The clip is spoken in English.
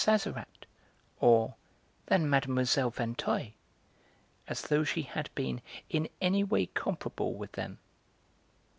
Sazerat" or "than Mlle. Vinteuil," as though she had been in any way comparable with them.